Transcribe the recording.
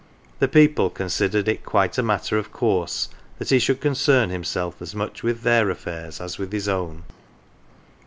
The people considered it quite a matter of course that he should concern himself as much with their affairs as with his own.